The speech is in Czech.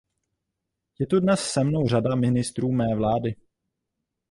Je tu dnes se mnou řada ministrů mé vlády.